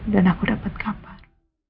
dan aku dapat kabar